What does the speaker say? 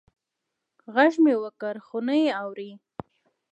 غږ مې وکړ خو نه یې اږري